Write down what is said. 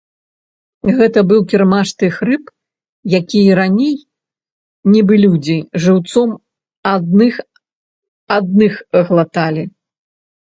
Гэта быў кірмаш тых рыб, якія раней, нібы людзі, жыўцом адны адных глыталі.